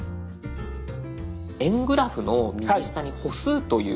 円グラフの右下に「歩数」という。